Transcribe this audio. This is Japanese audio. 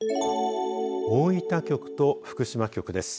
大分局と福島局です。